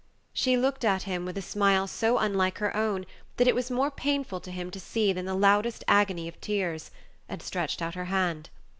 She looked at him with a smile so unlike her own that it was more painful to him to see than the loudest agony of tears, and stretched out her hand.